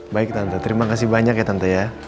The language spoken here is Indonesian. baik tante terima kasih banyak ya tante